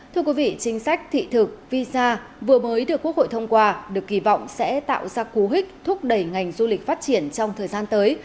thưa quý vị chính sách thị thực visa vừa mới được quốc hội thông qua được kỳ vọng sẽ tạo ra cú hích thúc đẩy ngành du lịch phát triển trong thời gian tới